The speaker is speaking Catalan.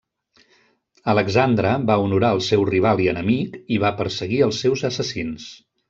Alexandre va honorar el seu rival i enemic, i va perseguir els seus assassins.